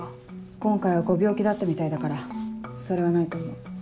今回はご病気だったみたいだからそれはないと思う。